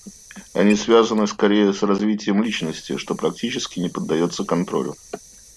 Они связаны, скорее, с развитием личности, что, практически, не подается контролю.